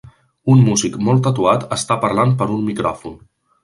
Un músic molt tatuat està parlant per un micròfon.